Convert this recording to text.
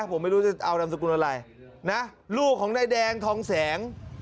ผมไม่รู้จะเอานามสกุลอะไรนะลูกของนายแดงทองแสง